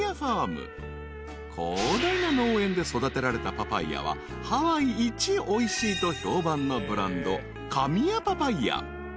［広大な農園で育てられたパパイアはハワイいちおいしいと評判のブランド］